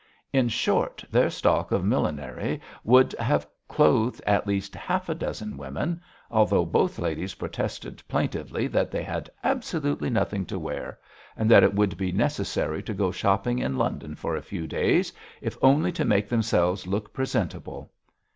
In short, their stock of millinery would have clothed at least half a dozen women, although both ladies protested plaintively that they had absolutely nothing to wear, and that it would be necessary to go shopping in London for a few days, if only to make themselves look presentable.